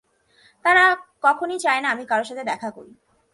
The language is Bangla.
তারা কখনই চায়না আমি কারো সাথে দেখা করি।